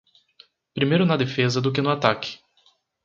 Primeiro na defesa do que no ataque.